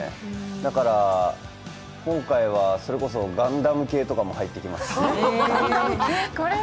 だから今回はそれこそガンダム系とかも入ってきますし。